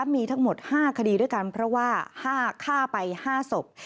มีทั้งหมด๕คดีด้วยกันเพราะว่า๕ฆ่าไป๕ศพ